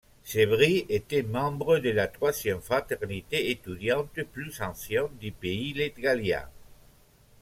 Sebris était membre de la troisième fraternité étudiante plus ancienne du pays Lettgallia.